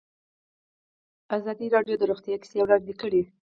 ازادي راډیو د روغتیا کیسې وړاندې کړي.